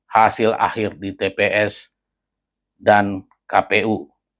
hasil akhir di tps dan kpu